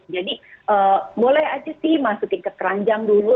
jadi boleh aja sih masukin ke keranjang dulu